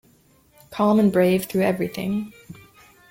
Calm and brave through everything.